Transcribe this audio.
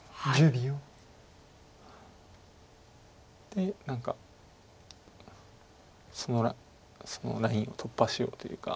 で何かそのラインを突破しようというか。